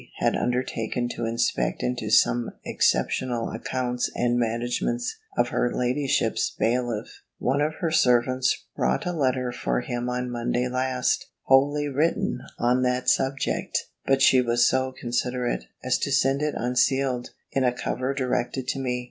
had undertaken to inspect into some exceptionable accounts and managements of her ladyship's bailiff, one of her servants brought a letter for him on Monday last, wholly written on that subject. But she was so considerate, as to send it unsealed, in a cover directed to me.